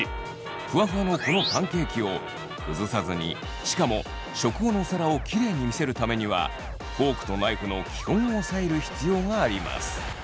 ふわふわのこのパンケーキを崩さずにしかも食後のお皿をキレイに見せるためにはフォークとナイフの基本を押さえる必要があります。